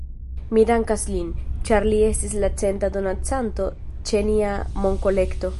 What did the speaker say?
Mi dankas lin, ĉar li estis la centa donacanto ĉe nia monkolekto